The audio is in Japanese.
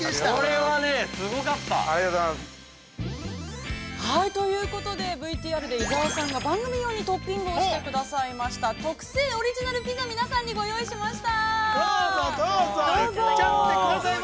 ◆はい、ということで、ＶＴＲで伊沢さんが番組用にトッピングしてくださいました特製オリジナルピザを皆さんにご用意しました。